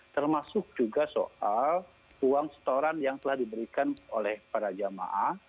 termasuk juga soal uang setoran yang telah diberikan oleh para jamaah